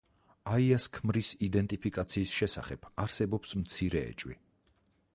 აიას ქმრის იდენტიფიკაციის შესახებ არსებობს მცირე ეჭვი.